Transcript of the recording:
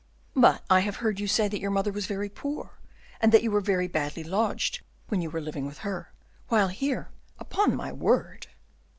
"But I have heard you say that your mother was very poor, and that you were very badly lodged when you were living with her, while here upon my word!"